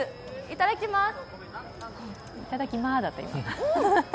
いただきます。